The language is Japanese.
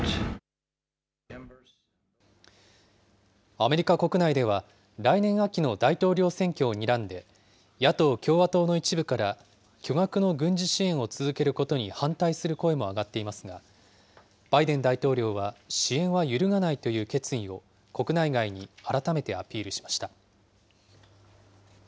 アメリカ国内では、来年秋の大統領選挙をにらんで、野党・共和党の一部から巨額の軍事支援を続けることに反対する声も上がっていますが、バイデン大統領は支援は揺るがないという決意を国内外に改めてアピールしました。